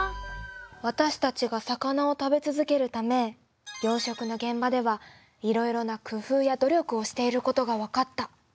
私たちが魚を食べ続けるため養しょくの現場ではいろいろな工夫や努力をしていることが分かった。